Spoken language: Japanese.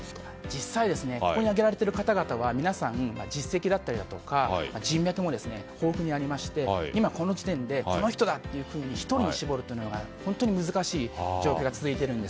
実際、ここに挙げられている方々は皆さん実績だったりとか人脈も豊富にありまして今この時点で、この人だ！と１人に絞るというのは本当に難しい状況が続いているんです。